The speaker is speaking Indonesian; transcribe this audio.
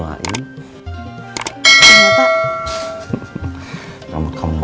karena ibu tidak ada